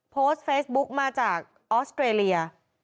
โพสต์เฟซบุ๊กมาจากออสเตรเลีย